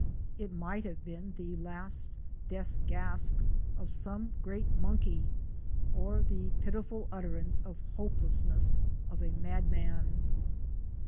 It might have been the last death gasp of some great monkey, or the pitiful utterance of hopelessness of a madman.